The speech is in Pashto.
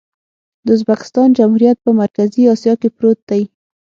د ازبکستان جمهوریت په مرکزي اسیا کې پروت دی.